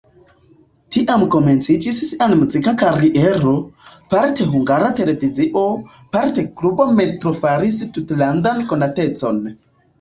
Tiam komenciĝis sia muzika kariero, parte Hungara Televizio, parte klubo "Metro" faris tutlandan konatecon.